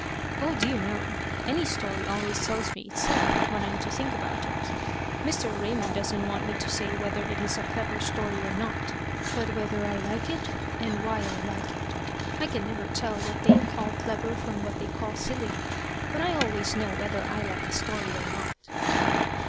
"Oh dear no! Any story always tells me itself what I'm to think about it. Mr. Raymond doesn't want me to say whether it is a clever story or not, but whether I like it, and why I like it. I never can tell what they call clever from what they call silly, but I always know whether I like a story or not."